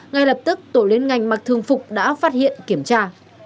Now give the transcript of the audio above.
ngay lập tức tổ liên ngành mặc thường phục đã phát hiện kiểm tra